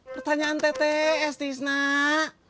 pertanyaan tts tisnak